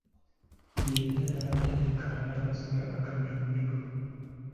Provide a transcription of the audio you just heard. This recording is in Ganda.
Yenna yabadde yeekaabya amaziga agajjulujjulu.